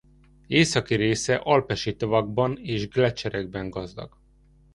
Északi része alpesi tavakban és gleccserekben gazdag.